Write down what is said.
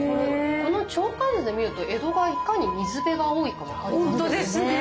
この鳥観図で見ると江戸がいかに水辺が多いか分かりますよね。